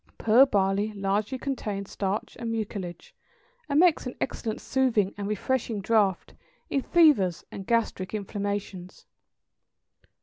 Pearl barley largely contains starch and mucilage, and makes an excellent soothing and refreshing draught in fevers and gastric inflammations.